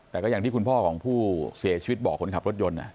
แต่ก็อย่างที่คุณพ่อของผู้เสียชีวิตบอกคนขับรถยนต์